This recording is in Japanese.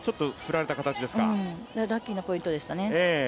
ラッキーなポイントでしたね。